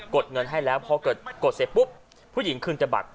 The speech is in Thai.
กดเงินให้แล้วพอเกิดกดเสร็จปุ๊บผู้หญิงคืนจะบัด